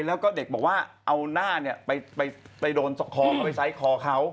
แล้วก็เด็กบอกว่าเอาหน้าเนี่ยไปโดนของเขาไปใช้ขอเขา